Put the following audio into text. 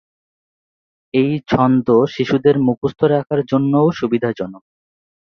এই ছন্দ শিশুদের মুখস্থ রাখার জন্যেও সুবিধাজনক।